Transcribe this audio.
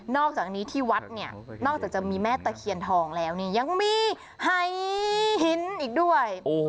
อกจากนี้ที่วัดเนี่ยนอกจากจะมีแม่ตะเคียนทองแล้วเนี่ยยังมีหายหินอีกด้วย